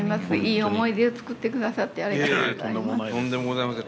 いい思い出を作ってくださってありがとうございます。